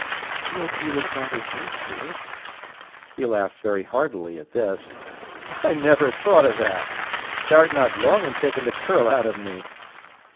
"Yet you invited me to it." He laughed very heartily at this. "I never thought o' that. Tha'rt not long in taking the curl out of me."